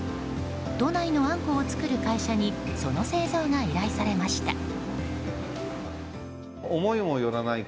都内のあんこを作る会社にその製造が依頼されました。